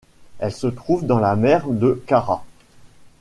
Elle se trouve dans la mer de Kara.